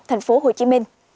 thành phố hồ chí minh